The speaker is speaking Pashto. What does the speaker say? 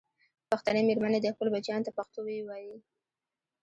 پښتنې مېرمنې دې خپلو بچیانو ته پښتو ویې ویي.